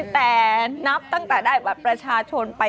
แต่นับตั้งแต่ได้บัตรประชาชนไป